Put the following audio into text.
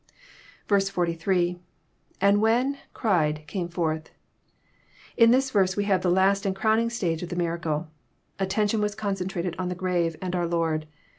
43.— [^n<7 tolien.,. cried, „come forth,'] In this verse we have the last and crowning stage of the miracle. Attention was concentrated on the grave and our Lord.